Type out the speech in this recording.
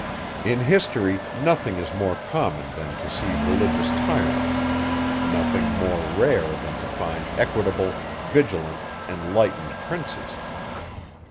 In history, nothing is more common than to see Religious Tyrants; nothing more rare than to find equitable, vigilant, enlightened princes.